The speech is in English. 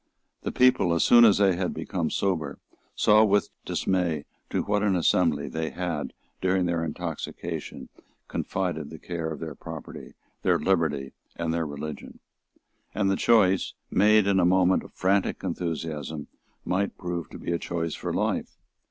The people, as soon as they had become sober, saw with dismay to what an assembly they had, during their intoxication, confided the care of their property, their liberty and their religion. And the choice, made in a moment of frantic enthusiasm, might prove to be a choice for life.